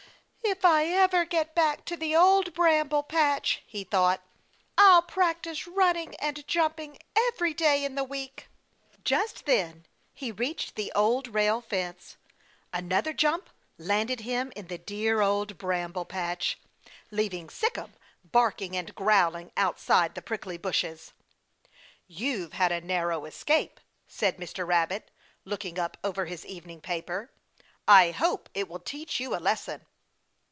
"If I ever get back to the Old Bramble Patch," he thought, "I'll practice running and jumping every day in the week." Just then, he reached the Old Rail Fence. Another jump landed him in the dear Old Bramble Patch, leaving Sic'em barking and growling outside the prickly bushes. "You've had a narrow escape," said Mr. Rabbit, looking up over his evening paper, "I hope it will teach you a lesson!"